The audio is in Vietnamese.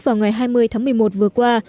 vào ngày hai mươi tháng một mươi một vừa qua